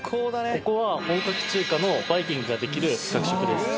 ここは本格中華のバイキングができる学食です。